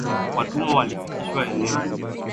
Watumwa walifikishwa eneo hilo la mkunazini